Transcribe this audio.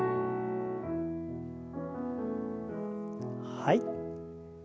はい。